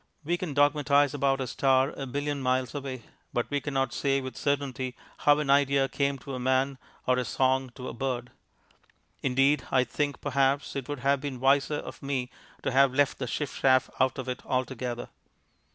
We can dogmatize about a star a billion miles away, but we cannot say with certainty how an idea came to a man or a song to a bird. Indeed, I think, perhaps, it would have been wiser of me to have left the chiff chaff out of it altogether.